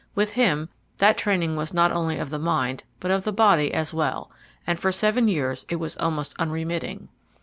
With him that training was not only of the mind, but of the body as well, and for seven years it was almost unremitting.